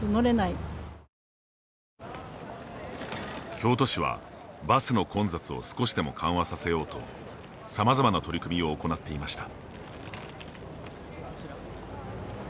京都市は、バスの混雑を少しでも緩和させようとさまざまな取り組みを行っていました。